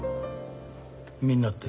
みんなって？